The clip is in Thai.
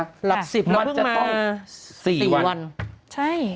หลักสิบลดลงมาสี่วัน